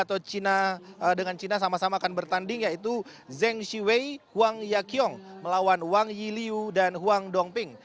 atau cina sama sama akan bertanding yaitu zheng shiwei huang yakyong melawan wang yiliu dan huang dongping